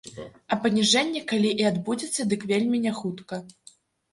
А паніжэнне калі і адбудзецца, дык вельмі няхутка.